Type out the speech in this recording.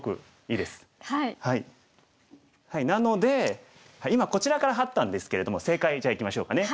なので今こちらからハッたんですけれども正解じゃあいきましょうかね。